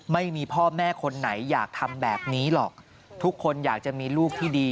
ไม่มีพ่อแม่คนไหนอยากทำแบบนี้หรอกทุกคนอยากจะมีลูกที่ดี